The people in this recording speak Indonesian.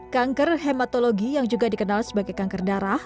kanker hematologi yang juga dikenal sebagai kanker darah